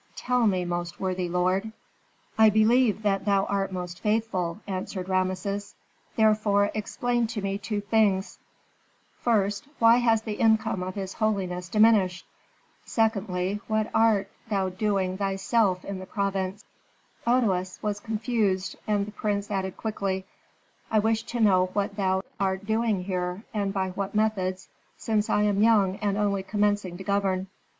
Tell me, most worthy lord." "I believe that thou art most faithful," answered Rameses. "Therefore explain to me two things: first, why has the income of his holiness diminished? second, what art thou doing thyself in the province?" Otoes was confused, and the prince added quickly, "I wish to know what thou art doing here, and by what methods, since I am young and only commencing to govern."